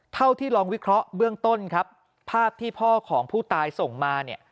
เท่าที่ลองวิเคราะห์เบื้องต้นครับภาพที่พ่อของผู้ตายส่งมาเนี่ย